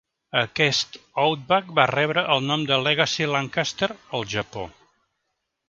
Aquest Outback va rebre el nom de "Legacy Lancaster" al Japó.